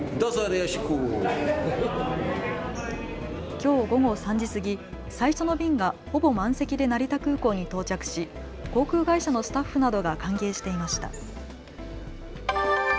きょう午後３時過ぎ、最初の便がほぼ満席で成田空港に到着し航空会社のスタッフなどが歓迎していました。